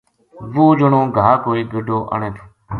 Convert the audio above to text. وہ جنو گھا کو ایک گڈو آنے تھو